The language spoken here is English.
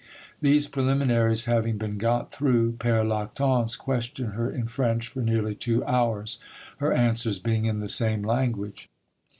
These preliminaries having been got through, Pere Lactance questioned her in French for nearly two hours, her answers being in the same language.